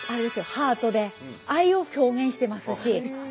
ハートで愛を表現してますし。